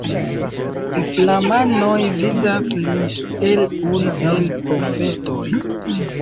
Islamanoj vidas lin kiel unu el profetoj.